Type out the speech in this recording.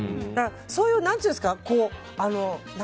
そういう、なんていうんですか。